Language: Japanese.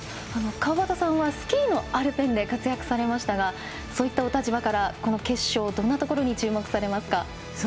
川端さんはスキーのアルペンで活躍されましたけどもその立場からこの決勝、どんなところに注目されますか？